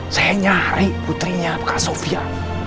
saya nyari putrinya kak sofia